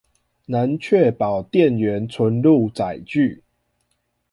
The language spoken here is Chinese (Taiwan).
能確保店員存入載具